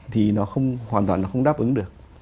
thì nó không hoàn toàn nó không đáp ứng được